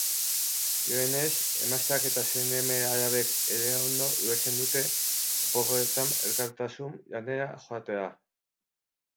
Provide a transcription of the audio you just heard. Dioenez, emazteak eta seme-alabek ere ondo ulertzen dute oporretan elkartasun lanetara joatea.